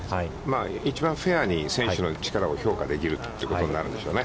一番フェアに選手の力を評価できるということになるんでしょうね。